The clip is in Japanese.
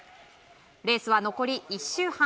レースは残り１周半。